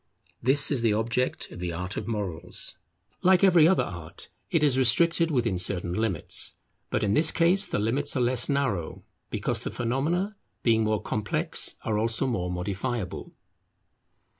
This is the object of the art of Morals. Like every other art, it is restricted within certain limits. But in this case the limits are less narrow, because the phenomena, being more complex, are also more modifiable.